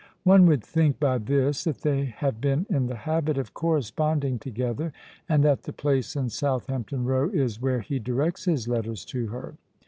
One would think, by this, that they have been in the habit of corresponding together, and that the place in Southampton Row is where he directs his letters to her.